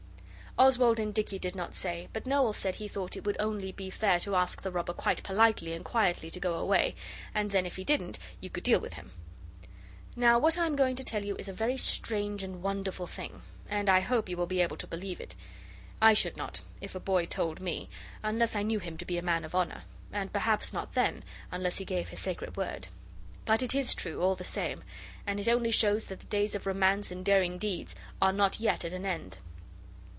Oswald and Dicky did not say; but Noel said he thought it would only be fair to ask the robber quite politely and quietly to go away, and then if he didn't you could deal with him. Now what I am going to tell you is a very strange and wonderful thing, and I hope you will be able to believe it. I should not, if a boy told me, unless I knew him to be a man of honour, and perhaps not then unless he gave his sacred word. But it is true, all the same, and it only shows that the days of romance and daring deeds are not yet at an end.